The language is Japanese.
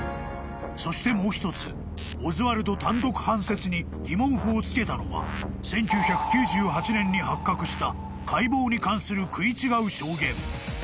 ［そしてもう一つオズワルド単独犯説に疑問符をつけたのは１９９８年に発覚した解剖に関する食い違う証言］